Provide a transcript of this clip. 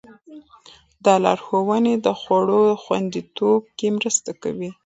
دا لارښوونې د خوړو خوندیتوب کې مرسته کوي.